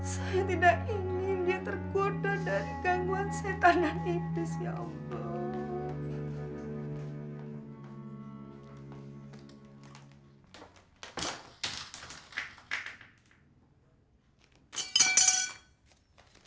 saya tidak ingin dia tergoda dari gangguan setan dan iblis ya allah